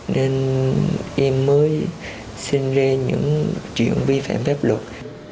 nên em mới xin lê những chuyện vi phạm phép luật